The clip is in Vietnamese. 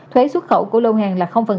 thuế xuất khẩu của lưu hàng là